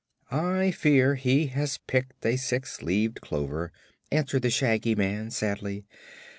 "I fear he has picked a six leaved clover," answered the Shaggy Man, sadly.